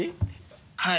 はい。